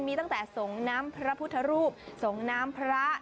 มีตั้งแต่ส่งน้ำพระพุทธรูปสงน้ำพระ